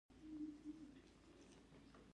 فکر نامنونکی وي.